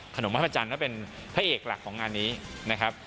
หม้อยพระจันทร์เป็นพระเอกหลักของงานนี้นะครับ